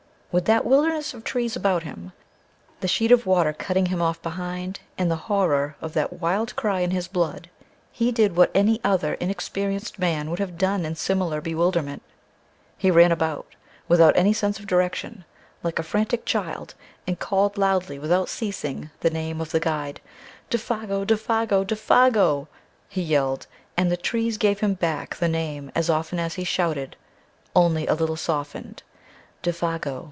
With that wilderness of trees about him, the sheet of water cutting him off behind, and the horror of that wild cry in his blood, he did what any other inexperienced man would have done in similar bewilderment: he ran about, without any sense of direction, like a frantic child, and called loudly without ceasing the name of the guide: "Défago! Défago! Défago!" he yelled, and the trees gave him back the name as often as he shouted, only a little softened "Défago!